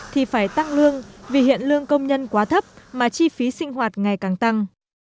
thì phải tăng lương vì hiện lương công nhân quá thấp mà chi phí sinh hoạt ngày càng tăng